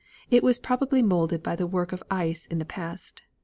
It was probably molded by the work of ice in the past.